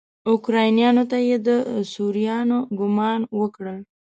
اوکرانیانو ته یې د سوريانو ګمان وکړ.